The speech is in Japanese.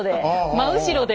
真後ろで。